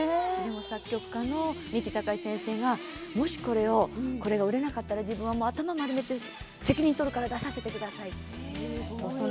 作曲家の三木たかし先生がもしこれが売れなかったら自分が頭を丸めて責任を取るから出させてくれと言って。